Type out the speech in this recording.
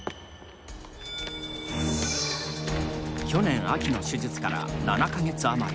去年の秋の手術から７か月余り。